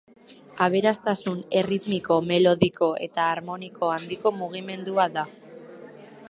Aberastasun erritmiko, melodiko eta harmoniko handiko mugimendua da.